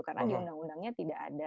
karena di undang undangnya tidak ada